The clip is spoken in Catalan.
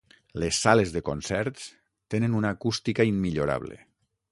Les sales de concerts tenen una acústica immillorable.